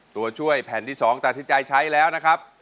ตัวช่วยแผ่นที่๒ตัดสินใจใช้แล้วนะครับ